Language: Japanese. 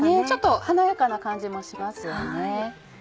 ちょっと華やかな感じもしますよね。